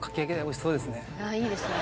ああいいですね。